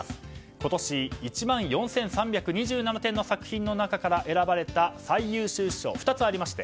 今年１万４３２７点の作品の中から選ばれた最優秀賞が２つありまして